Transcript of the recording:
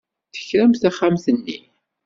Tekramt taxxamt-nni?